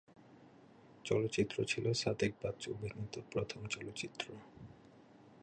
চলচ্চিত্রটি ছিল সাদেক বাচ্চু অভিনীত প্রথম চলচ্চিত্র।